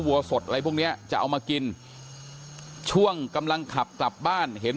วัวสดอะไรพวกเนี้ยจะเอามากินช่วงกำลังขับกลับบ้านเห็น